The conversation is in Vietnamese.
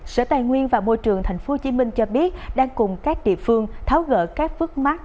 sở tài nguyên và môi trường tp hcm cho biết đang cùng các địa phương tháo gỡ các phước mắt